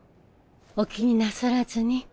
お気になさらずに。